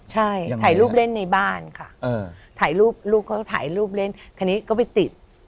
ใช่ถ่ายรูปเล่นในบ้านค่ะถ่ายรูปลูกเขาก็ถ่ายรูปเล่นคราวนี้ก็ไปติด